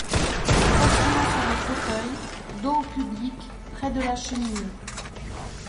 S’asseyant sur le fauteuil, dos au public, près de la cheminée.